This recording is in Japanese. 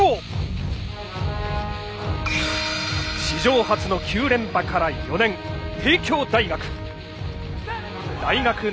史上初の９連覇から４年帝京大学。